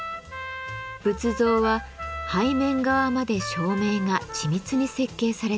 仏像は背面側まで照明が緻密に設計されています。